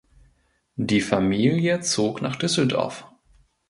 Die Familie zog nach Düsseldorf.